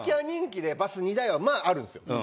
人気でバス２台はまああるんですよ。